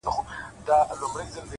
o جدايي وخوړم لاليه؛ ستا خبر نه راځي؛